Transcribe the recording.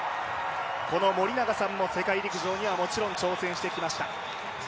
森長さんも世界陸上にはもちろん挑戦してきました。